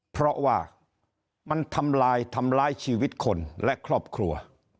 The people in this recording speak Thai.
เพราะว่ามันทำลายทำร้ายชีวิตคนและครอบครัว